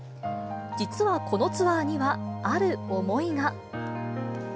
実はこのツアーには、ある思いが。